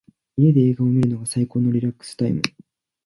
家で映画を観るのが最高のリラックスタイム。